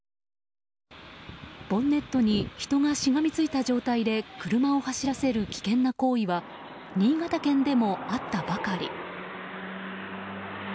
ボンネットに人がしがみついた状態で車を走らせる危険な行為は新潟県でもあったばかり。